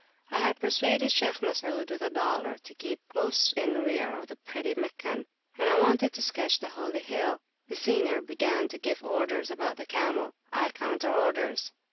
I had persuaded Shaykh Masud, with a dollar, to keep close in rear of the pretty Meccan; and I wanted to sketch the Holy Hill. The senior began to give orders about the camelI, counter orders.